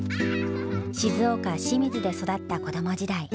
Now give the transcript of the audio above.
静岡・清水で育った子ども時代。